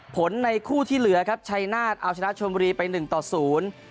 ในคู่ที่เหลือครับชัยนาฏเอาชนะชนบุรีไปหนึ่งต่อศูนย์